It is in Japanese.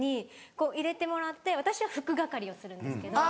こう入れてもらって私は拭く係をするんですけど。